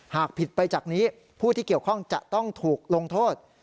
หากผิดไปจากนี้ผู้ที่เกี่ยวข้องจะต้องถูกลงโทษ